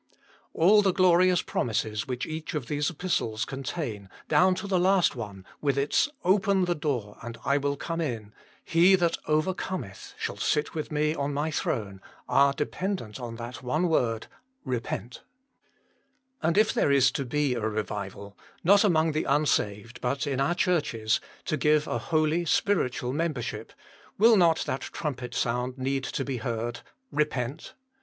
All the glorious promises which each of these Epistles con tain, down to the last one, with its " Open the door and I will come in ";" He that overcometh shall sit with Me on My throne," are dependent on that one word Eepent ! 188 THE MINISTRY OF INTERCESSION And if there is to be a revival, not among the unsaved, but in our churches, to give a holy, spiritual membership, will not that trumpet sound need to be heard Eepent